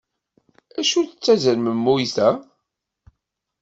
Acu d tazermemmuyt-a?